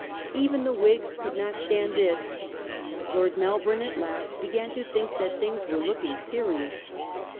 Even the Whigs could not stand this. Lord Melbourne at last began to think that things were looking serious.